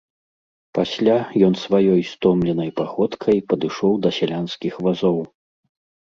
Пасля ён сваёй стомленай паходкай падышоў да сялянскіх вазоў.